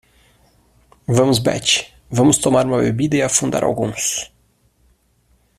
Vamos Betty, vamos tomar uma bebida e afundar alguns.